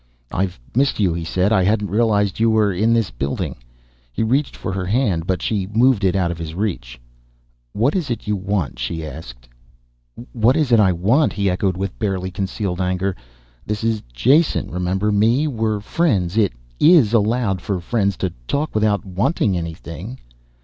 "I've missed you," he said. "I hadn't realized you were in this building." He reached for her hand but she moved it out of his reach. "What is it you want?" she asked. "What is it I want!" he echoed with barely concealed anger. "This is Jason, remember me? We're friends. It is allowed for friends to talk without 'wanting' anything."